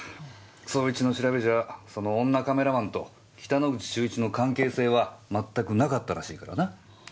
捜一の調べじゃその女カメラマンと北之口秀一の関係性は全くなかったらしいからな。